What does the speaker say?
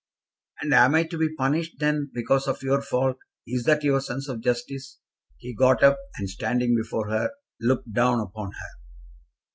"And am I to be punished, then, because of your fault? Is that your sense of justice?" He got up, and standing before her, looked down upon her.